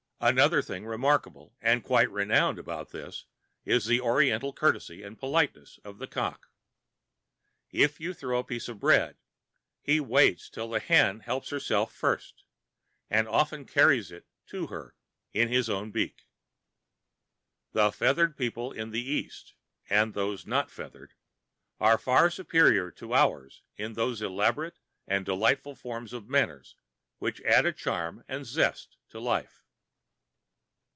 Another thing remarkable and quite renowned about this is the Oriental courtesy and politeness of the cock. If you throw a piece of bread, he waits till the hen helps herself first, and often carries it to her in his own beak. The feathered people in the East, and those not feathered, are far superior to ours in those elaborate and delightful forms of manner which add a charm and zest to life.